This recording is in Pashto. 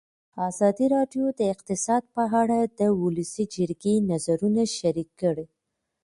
ازادي راډیو د اقتصاد په اړه د ولسي جرګې نظرونه شریک کړي.